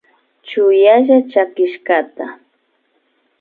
Chuyalla chakishkata